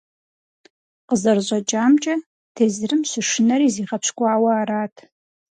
КъызэрыщӀэкӀамкӀэ, тезырым щышынэри зигъэпщкӀуауэ арат.